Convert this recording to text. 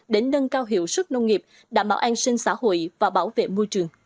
để nâng cao hiệu sức nông nghiệp đảm bảo an sinh xã hội và bảo vệ môi trường